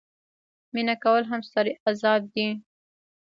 مینه کول هم ستر عذاب دي.